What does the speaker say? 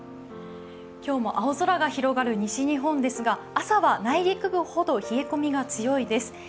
今日も青空が広がる西日本ですが朝は内陸部ほど冷え込みが強いです。